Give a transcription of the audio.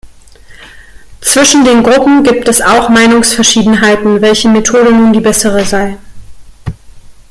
Zwischen den Gruppen gibt es auch Meinungsverschiedenheiten, welche Methode nun die bessere sei.